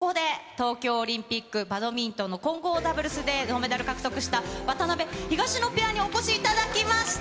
本当にすてきさあ、そしてここで、東京オリンピック、バドミントンの混合ダブルスで銅メダル獲得した渡辺・東野ペアにお越しいただきました。